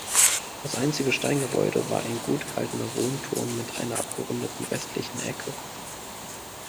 Das einzige Steingebäude war ein gut erhaltener Wohnturm mit einer abgerundeten westlichen Ecke.